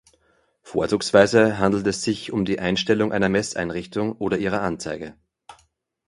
Vorzugsweise handelt es sich um die Einstellung einer Messeinrichtung oder ihrer Anzeige.